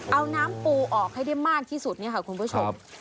เอาน้ำปูออกให้ได้มากที่สุดเนี่ยค่ะคุณผู้ชม